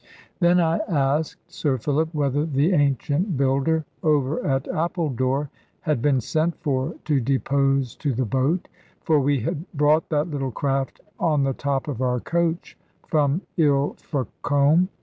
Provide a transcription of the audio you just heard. Then I asked Sir Philip whether the ancient builder over at Appledore had been sent for to depose to the boat; for we had brought that little craft on the top of our coach from Ilfracombe.